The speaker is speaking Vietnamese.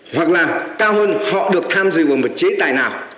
hoặc làm cao hơn họ được tham dự bằng một chế tài nào